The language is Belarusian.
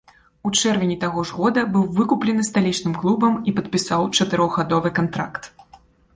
У чэрвені таго ж года быў выкуплены сталічным клубам і падпісаў чатырохгадовы кантракт.